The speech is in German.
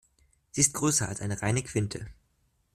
Sie ist größer als eine reine Quinte.